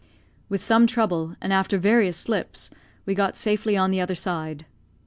With some trouble, and after various slips, we got safely on the other side.